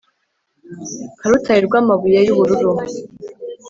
Nka rutare rwamabuye yubururu